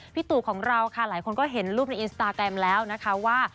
พี่ตู่ของเราค่ะหลายคนก็เห็นรูปในอินสตาแกรมแล้วนะคะว่า